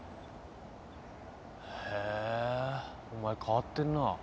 へぇお前変わってんな。